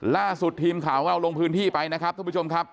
ล่าสุดทีมข่าวของเราลงพื้นที่ไปนะครับท่านผู้ชมครับ